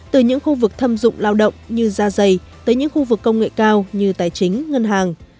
từ những khu vực thâm dụng lao động như da dày tới những khu vực công nghệ cao như tài chính ngân hàng